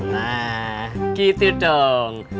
nah gitu dong